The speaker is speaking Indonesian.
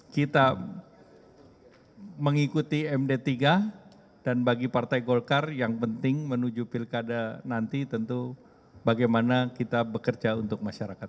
kita mengikuti md tiga dan bagi partai golkar yang penting menuju pilkada nanti tentu bagaimana kita bekerja untuk masyarakat